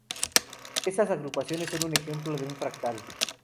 Esas agrupaciones son ejemplo de un fractal.